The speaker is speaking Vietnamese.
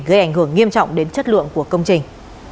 gây ảnh hưởng nghiêm trọng đến chất lượng của công trình